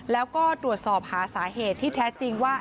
แล้วก็ตรวจสอบหาสาเหตุที่แท้จริงว่า